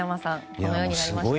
このようになりました。